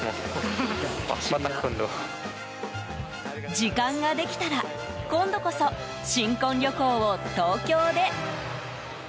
時間ができたら今度こそ、新婚旅行を東京で！